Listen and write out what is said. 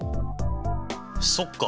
そっか！